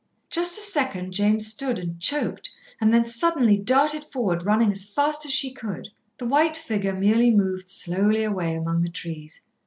Just a second Jane stood, and choked, and then suddenly darted forward, running as fast as she could. The white figure merely moved slowly away among the trees.